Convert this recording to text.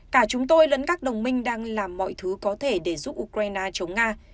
cả chúng tôi lẫn các đồng minh đang làm mọi thứ có thể để giúp ukraine chống nga